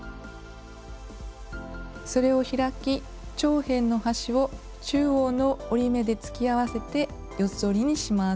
それを開き長辺の端を中央の折り目で突き合わせて四つ折りにします。